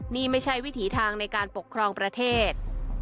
นี่ไม่ใช่วิถีทางในการปกครองประเทศ